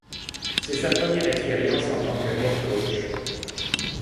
C'est sa première expérience en tant que head-coach.